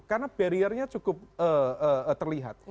karena barriernya cukup terlihat